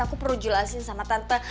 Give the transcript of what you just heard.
aku perlu jelasin sama tante